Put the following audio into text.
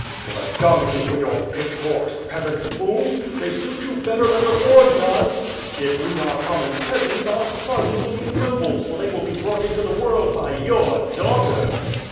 "To the dung heap with your pitch forks, peasant fools! They suit you better than the sword does." "If we are common peasants our sons will be nobles for they will be brought into the world by your daughters."